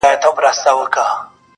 o مونږه د مینې تاوانونه کړي ,